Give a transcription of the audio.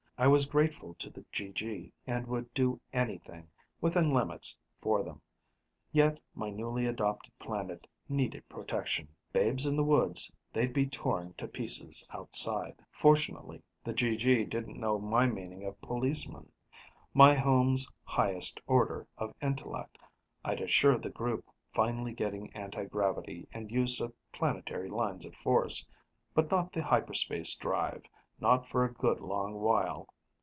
I was grateful to the GG, and would do anything, within limits, for them. Yet, my newly adopted planet needed protection. Babes in the woods, they'd be torn to pieces outside. Fortunately, the GG didn't know my meaning of "policeman", my home's highest order of intellect. I'd assure the group finally getting anti gravity and use of planetary lines of force. But not the hyperspace drive, not for a good long while.